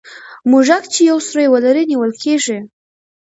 موږک چي یو سوری ولري نیول کېږي.